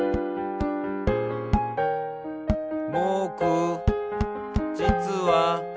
「ぼくじつは」